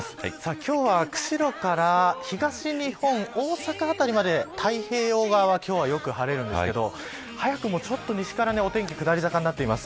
今日は、釧路から東日本大阪辺りまで太平洋側は今日はよく晴れるんですけど早くもちょっと西からお天気、下り坂になっています。